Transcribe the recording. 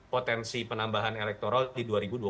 potensi penambahan elektoral di dua ribu dua puluh